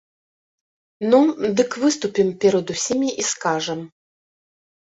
Ну, дык выступім перад усімі і скажам.